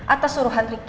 atas suruhan ricky